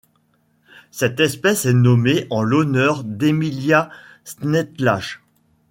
Cette espèce est nommée en l'honneur d'Emilia Snethlage.